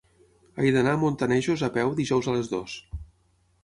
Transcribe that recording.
He d'anar a Montanejos a peu dijous a les dues.